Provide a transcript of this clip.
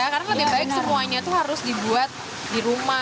karena kan yang baik semuanya itu harus dibuat di rumah